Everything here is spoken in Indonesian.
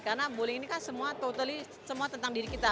karena bowling ini kan semua tentang diri kita